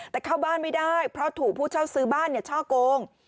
แต่เข้าบ้านไม่ได้เพราะถูกผู้เช่าซื้อบ้านช่อโกง